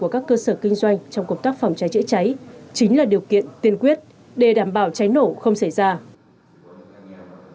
các cơ sở kinh doanh trong công tác phòng cháy chữa cháy chính là điều kiện tiên quyết để đảm bảo cháy nổ không xảy ra